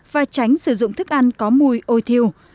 và tránh sử dụng thức ăn có mùi ôi thiêu